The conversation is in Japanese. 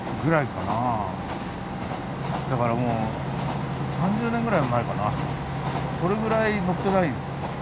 だからもう３０年ぐらい前かなそれぐらい乗ってないです。